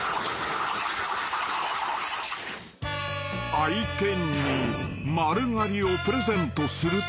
［愛犬に丸刈りをプレゼントすると］